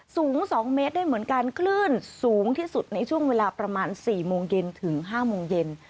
สูง๒เมตรได้เหมือนกันคลื่นสูงที่สุดในช่วงเวลาประมาณ๔โมงเย็นถึง๕โมงเย็น